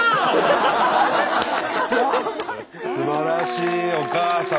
すばらしいお母様。